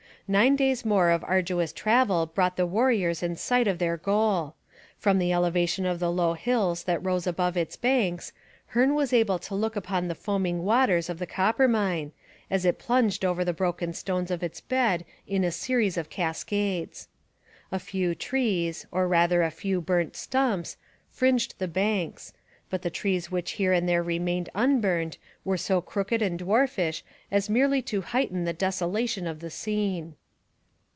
Nine days more of arduous travel brought the warriors in sight of their goal. From the elevation of the low hills that rose above its banks, Hearne was able to look upon the foaming waters of the Coppermine, as it plunged over the broken stones of its bed in a series of cascades. A few trees, or rather a few burnt stumps, fringed the banks, but the trees which here and there remained unburned were so crooked and dwarfish as merely to heighten the desolation of the scene.